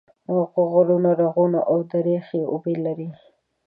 غرونه، رغونه او درې ښې اوبه لري